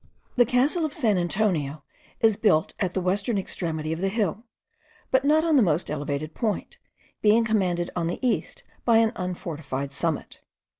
The castle of San Antonio is built at the western extremity of the hill, but not on the most elevated point, being commanded on the east by an unfortified summit.